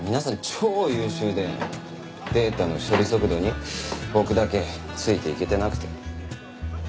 超優秀でデータの処理速度に僕だけついていけてなくて。